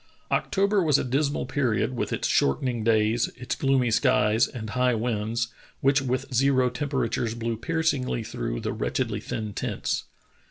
October was a dismal period with its shortening daj's, its gloomy skies, and high winds, which with zero tem peratures blew piercingly through the wretchedly thin tents.